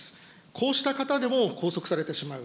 こうした方でも拘束されてしまう。